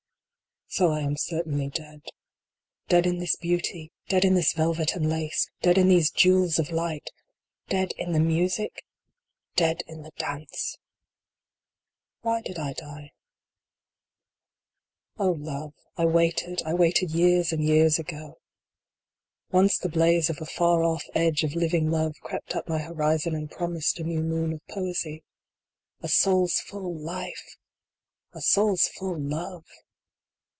So I am certainly dead. Dead in this beauty ! Dead in this velvet and lace ! Dead in these jewels of light ! Dead in the music ! Dead in the dance ! II. Why did I die ? O love ! I waited I waited years and years ago. Once the blaze of a far off edge of living Love crept up my horizon and promised a new moon of Poesy. A soul s full life ! A soul s full love